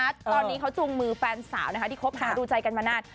ตอนนี้เขาจูงมือแฟนสาวนะที่เข้าภารกิจใจกันมานาน